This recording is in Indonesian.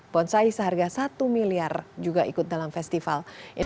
bonsai seharga satu miliar juga ikut dalam festival